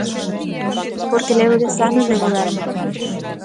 Porque levo dez anos de Goberno.